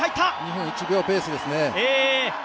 ２分１秒ペースですね。